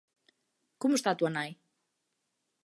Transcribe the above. Como está túa nai?